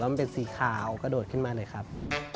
มันเป็นสีขาวกระโดดขึ้นมาเลยครับ